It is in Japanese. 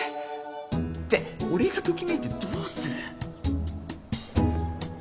って俺がときめいてどうする！